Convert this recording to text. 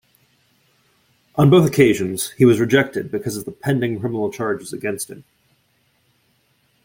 On both occasions he was rejected because of the pending criminal charges against him.